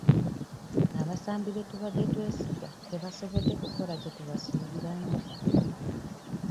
Abasambi be tubadde twesiga tebasobodde kukola kye tubasuubiramu.